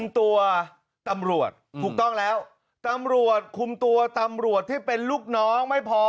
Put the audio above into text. ต้องแล้วตำรวจคุมตัวตำรวจที่เป็นลูกน้องไม่พอ